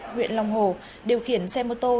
huyện long hồ điều khiển xe mô tô